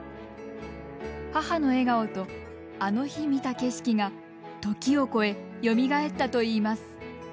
母の笑顔と、あの日見た景色が時を超えよみがえったといいます。